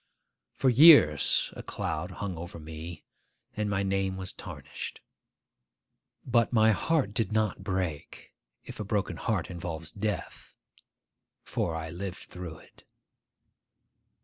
For years a cloud hung over me, and my name was tarnished. But my heart did not break, if a broken heart involves death; for I lived through it.